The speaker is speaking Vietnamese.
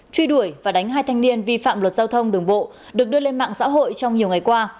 truy đuổi và đánh hai thanh niên vi phạm luật giao thông đường bộ được đưa lên mạng xã hội trong nhiều ngày qua